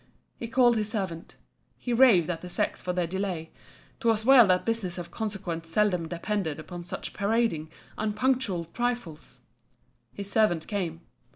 He called his servant. He raved at the sex for their delay: 'twas well that business of consequence seldom depended upon such parading, unpunctual triflers! His servant came.